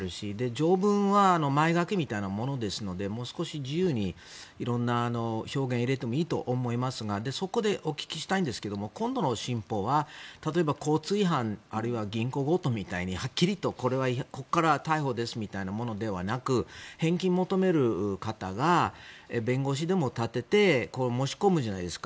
条文は前書きみたいなものですのでもう少し、自由にいろんな表現を入れてもいいと思いますがそこでお聞きしたいんですけど今度の新法は例えば、交通違反あるいは銀行強盗みたいにはっきりと、ここからは逮捕ですみたいなものではなく返金を求める方が弁護士でも立てて申し込むじゃないですか。